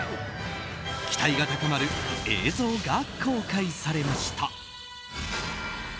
期待が高まる映像が公開されました。